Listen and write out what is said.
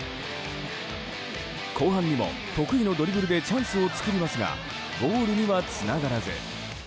後半にも得意のドリブルでチャンスを作りますがゴールにはつながらず。